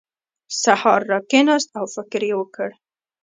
سهار راکېناست او فکر یې وکړ.